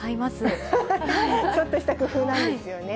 ちょっとした工夫なんですよね。